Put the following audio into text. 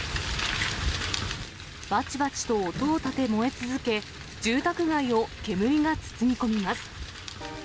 ばちばちと音を立て燃え続け、住宅街を煙が包み込みます。